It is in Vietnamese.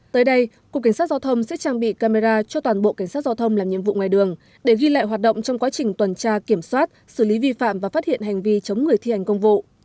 tới đây cục cảnh sát giao thông sẽ trang bị camera cho toàn bộ cảnh sát giao thông làm nhiệm vụ ngoài đường để ghi lại hoạt động trong quá trình tuần tra kiểm soát xử lý vi phạm và phát hiện hành vi chống người thi hành công vụ